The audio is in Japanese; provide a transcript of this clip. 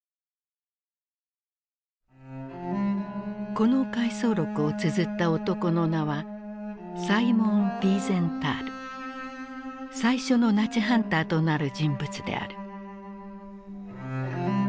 この回想録をつづった男の名は最初のナチハンターとなる人物である。